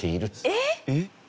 えっ！